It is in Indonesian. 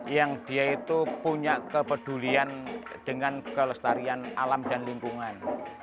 yang dia itu punya kepedulian dengan kelestarian alam dan lingkungan